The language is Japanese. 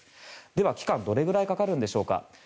では、期間はどれぐらいかかるんでしょうか。